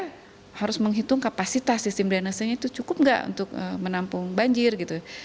jadi kita harus menghitung kapasitas sistem drainasenya itu cukup gak untuk menampung banjir gitu